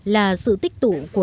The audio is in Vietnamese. là sự tích tủ của người làm muối